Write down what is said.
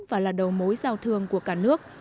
và là đầu mối giao thương của cả nước